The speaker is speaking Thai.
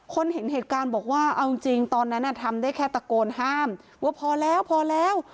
เห็นเหตุการณ์บอกว่าเอาจริงตอนนั้นทำได้แค่ตะโกนห้ามว่าพอแล้วพอแล้ว